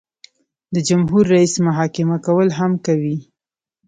د جمهور رئیس محاکمه کول هم کوي.